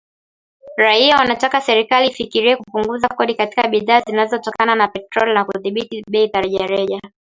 raia wanataka serikali ifikirie kupunguza kodi katika bidhaa zinazotokana na petroli na kudhibiti bei za rejareja